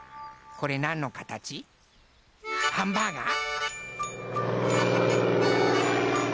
これなんのかたち？ハンバーガー？